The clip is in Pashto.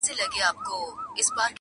زاهده پرې مي ږده ځواني ده چي دنیا ووینم٫